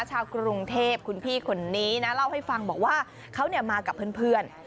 ชาวกรุงเทพคุณพี่คนนี้นะเล่าให้ฟังบอกว่าเขามากับเพื่อน